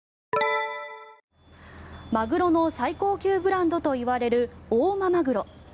マグロの最高級ブランドといわれる大間まぐろ。